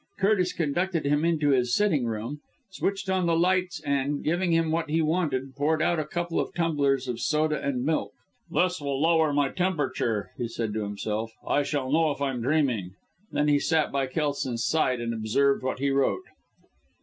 Curtis conducted him into his sitting room, switched on the lights and, giving him what he wanted, poured out a couple of tumblers of soda and milk. "This will lower my temperature," he said to himself. "I shall know if I'm dreaming." He then sat by Kelson's side and observed what he wrote.